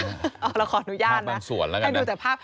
อ๋อเราขออนุญาตนะให้ดูแต่ภาพภาพบางส่วนแล้วกันนะ